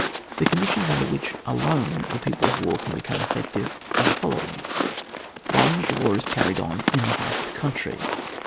The conditions under which alone the people's war can become effective are the following — 1 . That the war is carried on in the heart of the country.